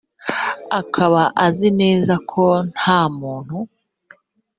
akaba azi neza ko nta muntu